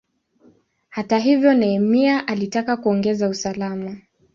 Hata hivyo, Nehemia alitaka kuongeza usalama.